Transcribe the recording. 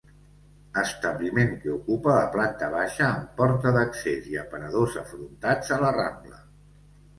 Establiment que ocupa la planta baixa amb porta d'accés i aparadors afrontats a la Rambla.